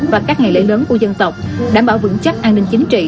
và các ngày lễ lớn của dân tộc đảm bảo vững chắc an ninh chính trị